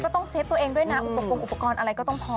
ก็ต้องเซฟตัวเองด้วยนะอุปกรณ์อะไรก็ต้องพร้อมด้วย